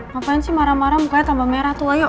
ngapain sih marah marah mukanya tambah merah tuh ayo